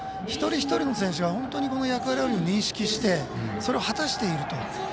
一人一人が本当に役割を認識してそれを果たしていると。